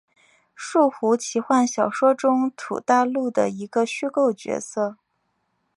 树胡奇幻小说中土大陆的一个虚构角色。